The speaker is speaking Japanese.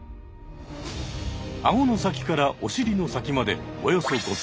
アゴの先からおしりの先までおよそ５ｃｍ。